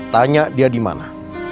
tanya dia dimana